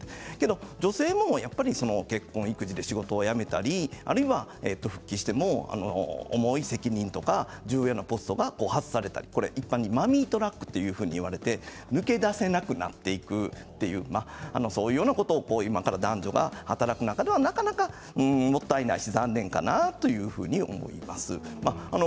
女性も結婚、育児で仕事を辞めたりあるいは復帰しても重い責任とか重要なポストから外されたり一般にマミートラックといわれていて抜け出せなくなっていくそういうようなことを今から男女が働く中ではなかなかもったいない、残念だなというふうに思います。